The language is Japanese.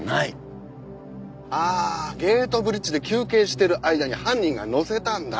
ああゲートブリッジで休憩してる間に犯人がのせたんだ。